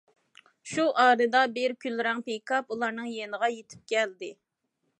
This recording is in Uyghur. شۇ ئارىدا بىر كۈل رەڭ پىكاپ ئۇلارنىڭ يېنىغا يېتىپ كەلدى.